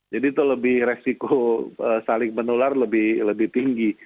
jadi itu lebih resiko saling menular lebih tinggi